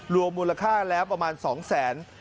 รวมมูลค่าแล้วประมาณ๒๐๐๐๐๐บาท